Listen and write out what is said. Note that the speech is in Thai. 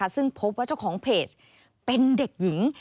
ซึ่งพบว่าเจ้าของเพจเป็นเด็กหญิง